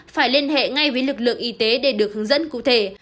phải liên hệ ngay với lực lượng y tế để được hướng dẫn cụ thể